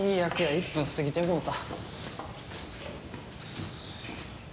１分過ぎてもうた。